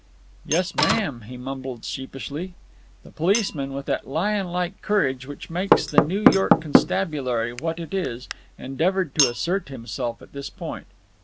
"Yes, ma'am," he mumbled sheepishly. The policeman, with that lionlike courage which makes the New York constabulary what it is, endeavoured to assert himself at this point.